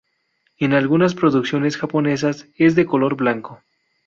En algunas producciones japonesas es de color blanco.